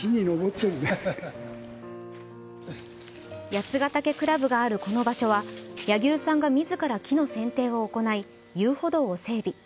八ヶ岳倶楽部があるこの場所は柳生さんが自ら木の剪定を行い遊歩道を整備。